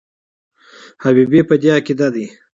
حبیبي په دې عقیده دی.